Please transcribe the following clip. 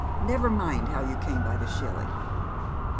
Never mind how you came by the shilling.